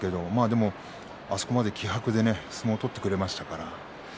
でも、あそこまで気迫で相撲を取ってくれました。